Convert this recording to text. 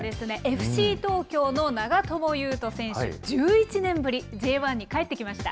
ＦＣ東京の長友佑都選手、１１年ぶり、Ｊ１に帰ってきました。